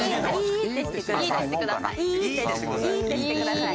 いーってしてください。